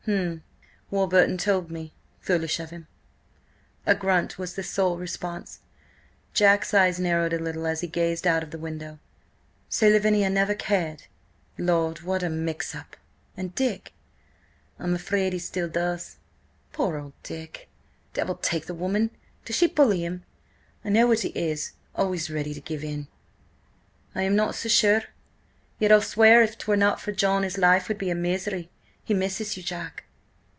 "M'm. Warburton told me. Foolish of him." A grunt was the sole response. Jack's eyes narrowed a little as he gazed out of the window. "So Lavinia never cared? Lord, what a mix up! And Dick?" "I'm afraid he still does." "Poor old Dick! Devil take the woman! Does she bully him? I know what he is–always ready to give in." "I am not so sure. Yet I'll swear if 'twere not for John his life would be a misery. He misses you, Jack."